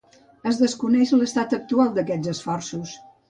Es desconeix l'estat actual d'aquests esforços.